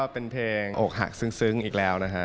เป็นเพลงอกหักซึ้งอีกแล้วนะฮะ